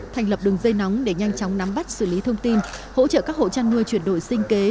thành lập đường dây nóng để nhanh chóng nắm bắt xử lý thông tin hỗ trợ các hộ chăn nuôi chuyển đổi sinh kế